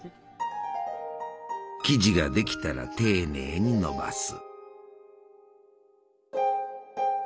生地ができたら丁寧にのばす。